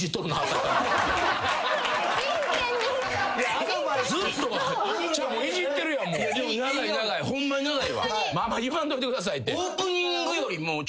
あんま言わんといてくださいって。